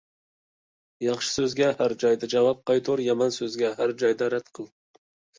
ياخشى سۆزگە ھەر جايدا جاۋاب قايتۇر، يامان سۆزنى ھەر جايدا رەت قىل.